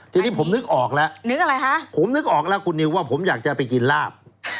ทีนี้ผมนึกออกแล้วนึกอะไรฮะผมนึกออกแล้วคุณนิวว่าผมอยากจะไปกินลาบ